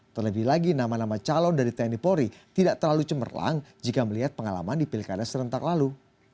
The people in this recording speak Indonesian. terlebih lagi nama nama calon dari tni polri tidak terlalu cemerlang jika melihat pengalaman di pilkada serentak lalu